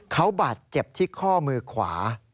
เขาบาดเจ็บที่ข้อมือขวา